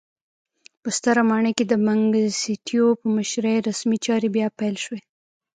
په ستره ماڼۍ کې د منګیسټیو په مشرۍ رسمي چارې بیا پیل شوې.